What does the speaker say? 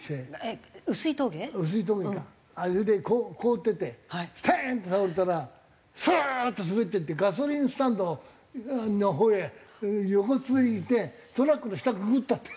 それで凍っててステーンって倒れたらスーッと滑っていってガソリンスタンドのほうへ横滑りしてトラックの下くぐったって。